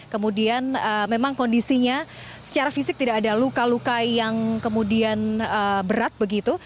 kemudian memang kondisinya secara fisik tidak ada luka luka yang kemudian berat begitu